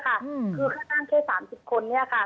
คือแค่นั่งแค่๓๐คนนี้ค่ะ